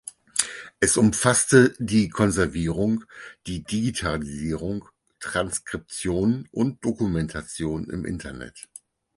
Es umfasste die Konservierung, die Digitalisierung, Transkription und Dokumentation im Internet.